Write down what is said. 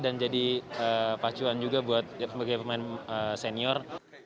dan jadi pacuan juga buat sebagai pemain senior